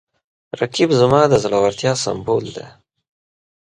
رقیب زما د زړورتیا سمبول دی